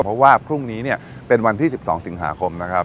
เพราะว่าพรุ่งนี้เนี่ยเป็นวันที่๑๒สิงหาคมนะครับ